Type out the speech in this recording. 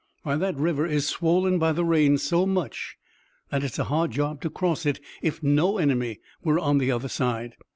Why, that river is swollen by the rains so much that it's a hard job to cross it if no enemy were on the other side.